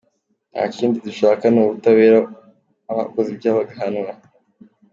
Nta kindi dushaka ni ubutabera abakoze ibyaha bagahanwa.